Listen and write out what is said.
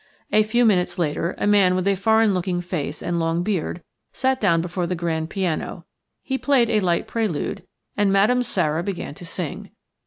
A few minutes later a man with a foreign looking face and long beard sat down before the grand piano. He played a light prelude and Madame Sara began to sing.